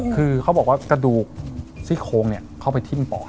คือเขาบอกว่ากระดูกซี่โครงเข้าไปทิ้มปอด